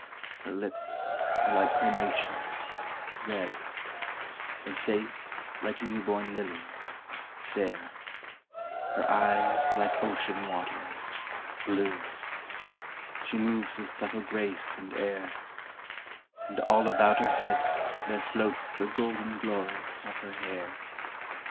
Her lips are like carnations, red, Her face like new born lilies, fair, Her eyes like ocean waters, blue, She moves with subtle grace and air, And all about her head there floats The golden glory of her hair.